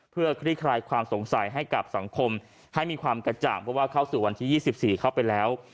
เพื่อคลี่คลายความสงสัยให้กับสังคมให้มีความกระจ่างเพราะว่าเข้าสู่วันที่๒๔เข้าไปแล้ว